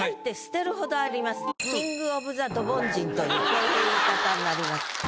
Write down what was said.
こういう言い方になります。